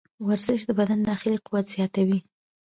ورزش د بدن داخلي قوت زیاتوي.